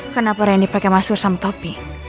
kenapa rendy pakai masker sama topi